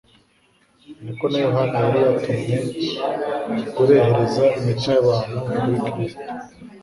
Niko na Yohana yari yatumwe kurehereza imitima y'abantu kuri Yesu